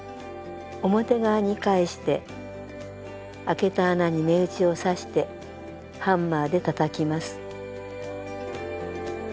表側に返してあけた穴に目打ちを刺してハンマーでたたきます。